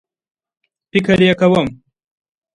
فکر یې کوم